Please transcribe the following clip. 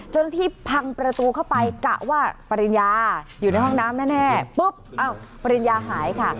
ที่พังประตูเข้าไปกะว่าปริญญาอยู่ในห้องน้ำแน่ปุ๊บปริญญาหายค่ะ